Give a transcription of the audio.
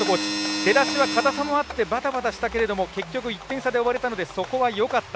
出だしは硬さもあってバタバタしたけれども結局、１点差で終われたのでそこはよかった。